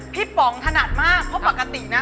ป๋องถนัดมากเพราะปกตินะ